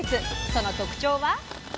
その特徴は。